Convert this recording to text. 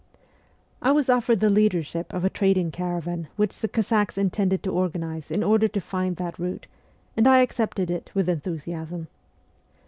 I was offered the leadership of a trading caravan which the Cossacks intended to organize in order to find that route, and I accepted it with enthusiasm.